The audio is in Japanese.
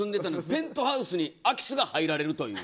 ペントハウスに空き巣が入られるという。